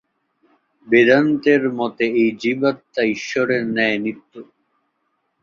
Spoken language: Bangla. বেদান্তের মতে এই জীবাত্মা ঈশ্বরের ন্যায় নিত্য।